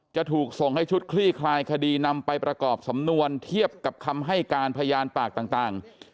จะถูกส่งให้ชุดคลี่คลายคดีนำไปประกอบสำนวนเทียบกับคำให้การพยานปากต่าง